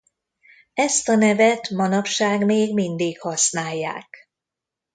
Ezt a nevet manapság még mindig használják.